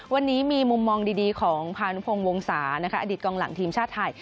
วันนี้มีมุมมองดีของพานุพงศ์วงศานะคะอดีตกองหลังทีมชาติไทย